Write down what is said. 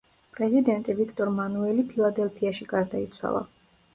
პრეზიდენტი ვიქტორ მანუელი ფილადელფიაში გარდაიცვალა.